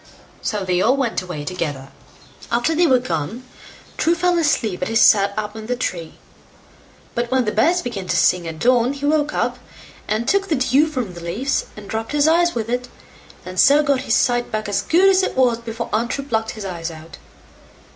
So they all went away together. After they were gone, True fell asleep as he sat up in the tree; but when the birds began to sing at dawn, he woke up, and took the dew from the leaves, and rubbed his eyes with it, and so got his sight back as good as it was before Untrue plucked his eyes out.